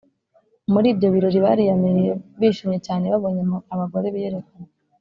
muri ibyo birori bariyamiriye bishimye cyane babonye abagore biyerekana